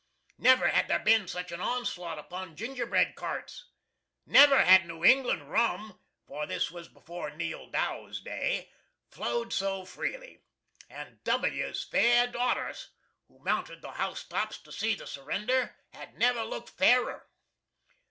Never had there been such an onslaught upon gingerbread carts. Never had New England rum (for this was before Neal Dow's day) flowed so freely. And W 's fair daughters, who mounted the house tops to see the surrender, had never looked fairer.